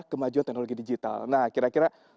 kemajuan teknologi digital nah kira kira